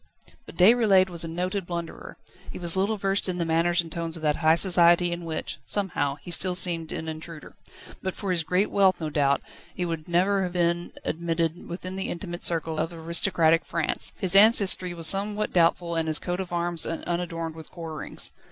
But Déroulède was a noted blunderer. He was little versed in the manners and tones of that high society in which, somehow, he still seemed an intruder. But for his great wealth, no doubt, he never would have been admitted within the intimate circle of aristocratic France. His ancestry was somewhat doubtful and his coat of arms unadorned with quarterings.